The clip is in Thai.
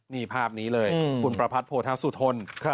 นี่ภาพนี้เลยคุณประพัทธโพธสุทน